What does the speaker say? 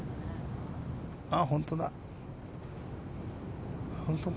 ああ本当だ。